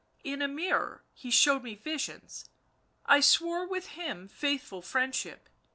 in a mirror he showed me visions, I swore with him faithful friend ship